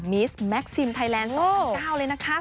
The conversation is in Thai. มิสแม็กซิมไทยแลนด์๒๐๙เลยนะคะ